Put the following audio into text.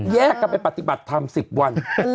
แยกกันไปปฏิบัติทำสิบวัน